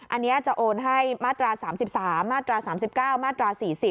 อันนี้จะโอนให้มาตรา๓๓มาตรา๓๙มาตรา๔๐